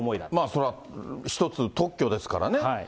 それは、一つ、特許ですからね。